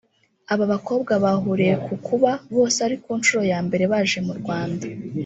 Aba bakobwa bahuriye ku kuba bose ari ku nshuro ya mbere baje mu Rwanda